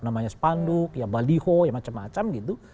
namanya spanduk ya baliho ya macam macam gitu